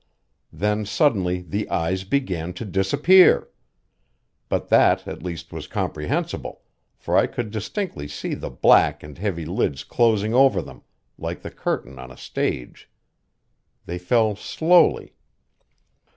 Then suddenly the eyes began to disappear. But that at least was comprehensible, for I could distinctly see the black and heavy lids closing over them, like the curtain on a stage. They fell slowly.